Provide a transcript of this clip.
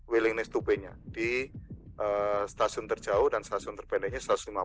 willingness to pay nya di stasiun terjauh dan stasiun terpendeknya satu ratus lima puluh